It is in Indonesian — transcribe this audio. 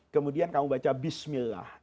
kemudian kamu baca bismillah